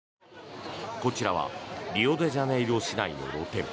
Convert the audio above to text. こちらはリオデジャネイロ市内の露店。